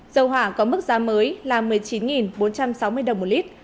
dầu hỏa có mức giá mới là một mươi chín bốn trăm sáu mươi đồng một lít